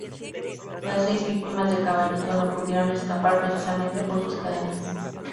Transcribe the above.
Las seis víctimas de Caballito no pudieron escapar precisamente por sus cadenas.